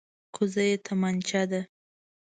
کوزه یې تمانچه ده.